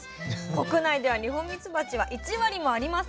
国内ではニホンミツバチは１割もありません。